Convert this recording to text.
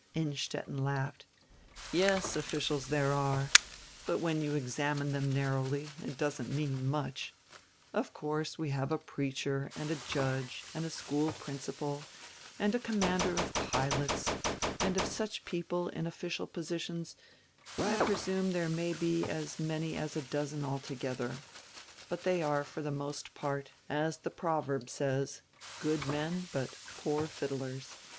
Innstetten laughed. "Yes, officials there are. But when you examine them narrowly it doesn't mean much. Of course, we have a preacher and a judge and a school prin cipal and a commander of pilots, and of such people in official positions I presume there may he as many as a dozen altogether, hut they are for the most part, as the proverb says, good men, but poor fiddlers.